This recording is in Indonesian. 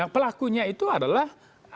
pelakunya itu adalah